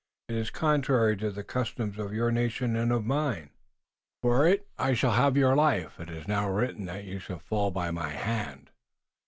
"It is contrary to the customs of your nation and of mine, and for it I shall have your life. It is now written that you shall fall by my hand."